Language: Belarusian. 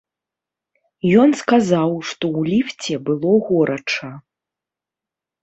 Ён сказаў, што ў ліфце было горача.